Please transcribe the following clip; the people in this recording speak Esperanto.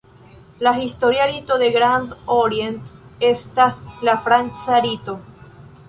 La historia rito de Grand Orient estas la franca rito.